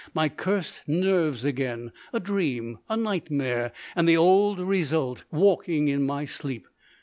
My cursed nerves again; a dream, a nightmare, and the old result walking in my sleep.